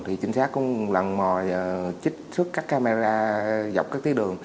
thì trinh sát cũng lần mò chích xuất các camera dọc các tiếng đường